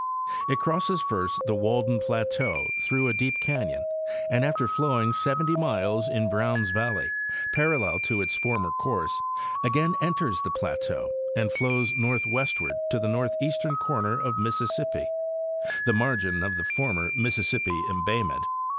It crosses first the Walden plateau through a deep canyon, and after flowing seventy miles in Browns valley, parallel to its former course, again enters the plateau and flows northwestward to the nee: n corner of Mississippi, the margin of the former Mississippi embayment.